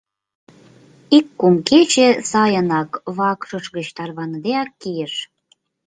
Ик кум кече сайынак вакшыш гыч тарваныдеак кийыш.